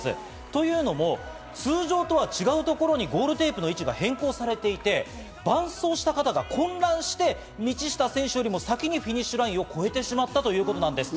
というのも、通常とは違うところにゴールテープの位置が変更されていて、伴走した方が混乱して、道下選手よりも先にフィニッシュラインを越えてしまったということなんです。